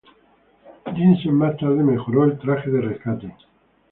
Yinsen más tarde mejoró el traje de rescate.